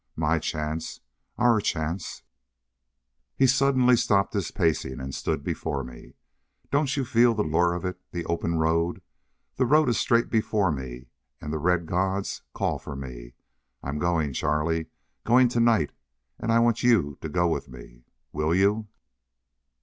My chance our chance " He suddenly stopped his pacing and stood before me. "Don't you feel the lure of it? The open road? 'The road is straight before me and the Red Gods call for me!' I'm going, Charlie. Going to night and I want you to go with me! Will you?"